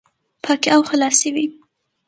پاکي او خلاصي وي،